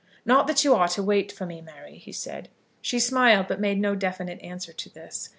"Not that you are to wait for me, Mary," he said. She smiled, but made no definite answer to this.